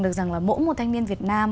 được rằng là mỗi một thanh niên việt nam